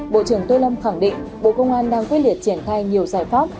bộ trưởng tô lâm khẳng định bộ công an đang quyết liệt triển khai nhiều giải pháp